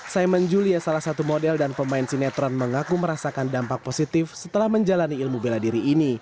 simon julia salah satu model dan pemain sinetron mengaku merasakan dampak positif setelah menjalani ilmu bela diri ini